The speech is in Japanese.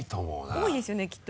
多いですよねきっと。